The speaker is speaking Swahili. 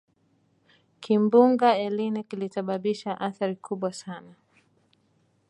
kimbunga eline kilisababisha athari kubwa sana